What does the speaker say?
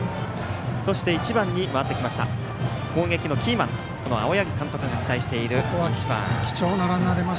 １番に回ってきました攻撃のキーマンと青柳監督が期待している１番。